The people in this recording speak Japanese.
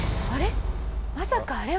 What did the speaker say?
「あれ？